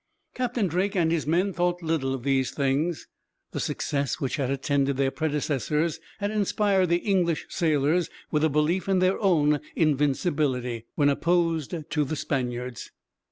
Captain Drake and his men thought little of these things. The success which had attended their predecessors had inspired the English sailors with a belief in their own invincibility, when opposed to the Spaniards.